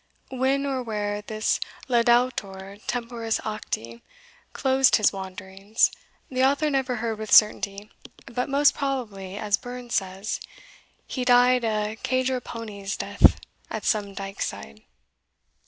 When or where this laudator temporis acti closed his wanderings, the author never heard with certainty; but most probably, as Burns says, he died a cadger powny's death, At some dike side.